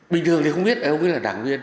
bình thường thì không biết ông ấy là đảng viên